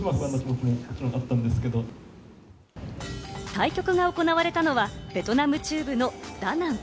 対局が行われたのはベトナム中部のダナン。